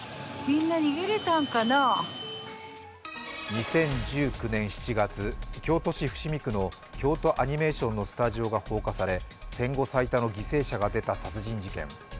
２０１９年７月、京都市伏見区の京都アニメーションのスタジオが放火され戦後最多の犠牲者が出た殺人事件。